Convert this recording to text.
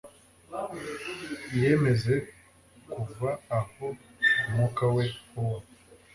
iyemeze kuva aho umwuka we uba